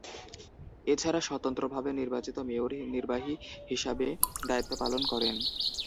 এছাড়া স্বতন্ত্রভাবে নির্বাচিত মেয়র নির্বাহী হিসাবে দায়িত্ব পালন করেন।